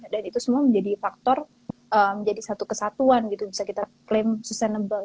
dan itu semua menjadi faktor menjadi satu kesatuan gitu bisa kita klaim sustainable